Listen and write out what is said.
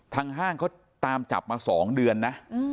ห้างเขาตามจับมา๒เดือนนะ